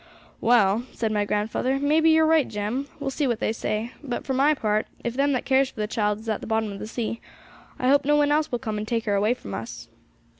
'Well,' said my grandfather, 'maybe you're right, Jem; we'll see what they say. But, for my part, if them that cares for the child is at the bottom of that sea, I hope no one else will come and take her away from us.'